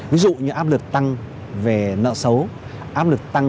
ví dụ như áp lực tăng về nợ xấu